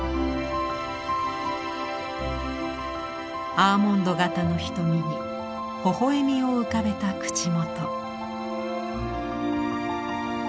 アーモンド形の瞳にほほえみを浮かべた口元。